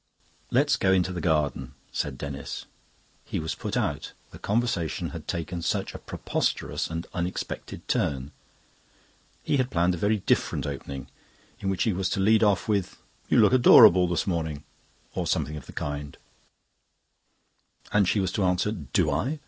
"Let's go into the garden," said Denis. He was put out; the conversation had taken such a preposterous and unexpected turn. He had planned a very different opening, in which he was to lead off with, "You look adorable this morning," or something of the kind, and she was to answer, "Do I?"